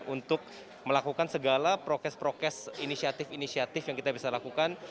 untuk melakukan segala prokes prokes inisiatif inisiatif yang kita bisa lakukan